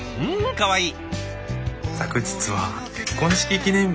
かわいい！